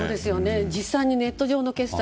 実際にネット上の決済